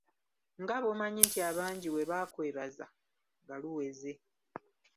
Nga bw'omanyi nti abangi we baakwebaza nga luweze.